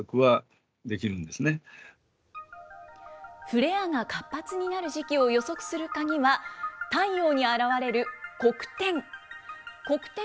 フレアが活発になる時期を予測する鍵は、太陽に現れる黒点。